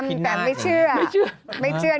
ไม่ใช่แบบไม่เชื่อ